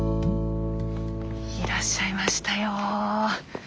いらっしゃいましたよ。